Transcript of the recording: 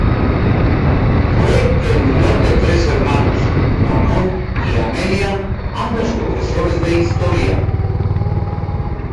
Fue el menor de tres hermanos: Ramón y Amelia, ambos profesores de historia.